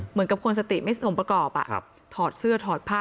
เหมือนกับคนสติไม่สมประกอบถอดเสื้อถอดผ้า